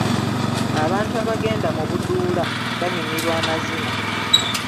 Abantu abagenda mu buduula banyumirwa amazina.